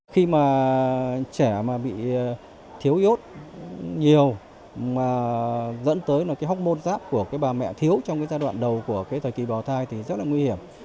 khi mà trẻ bị thiếu y ốt nhiều dẫn tới hốc môn giáp của bà mẹ thiếu trong giai đoạn đầu của thời kỳ bò thai thì rất là nguy hiểm